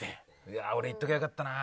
いやあ俺いっときゃよかったな。